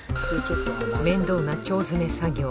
面倒な腸詰め作業。